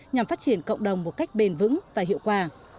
nhằm phát triển cộng đồng một cách bền vững và hiệu quả